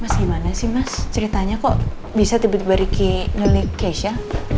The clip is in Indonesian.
mas gimana sih mas ceritanya kok bisa tiba tiba ricky nyelik keisha